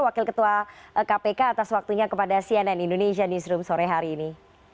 wakil ketua kpk atas waktunya kepada cnn indonesia newsroom sore hari ini